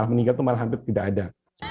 meninggal itu malah hampir tidak ada